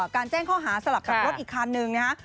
แจ้งข้อหาสลับกับรถอีกคันนึงนะฮะ